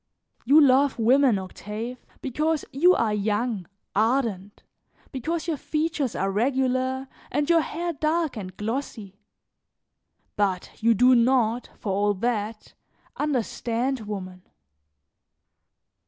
"You love women, Octave, because you are young, ardent, because your features are regular and your hair dark and glossy, but you do not, for all that, understand woman.